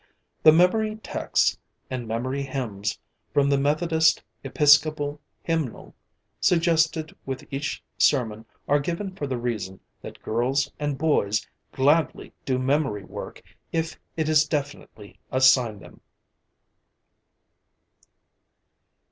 The Memory Texts and Memory Hymns, from the Methodist Episcopal Hymnal, suggested with each sermon are given for the reason that girls and boys gladly do memory work if it is definitely assigned them.